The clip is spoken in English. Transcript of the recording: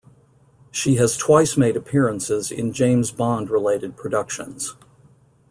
She has twice made appearances in James Bond-related productions.